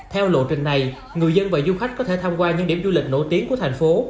hôm nay người dân và du khách có thể tham quan những điểm du lịch nổi tiếng của thành phố